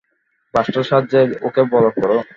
বাসটার সাহায্যে ওকে ব্লক করো!